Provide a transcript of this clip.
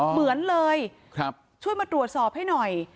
เหมือนเลยช่วยมาตรวจสอบให้หน่อย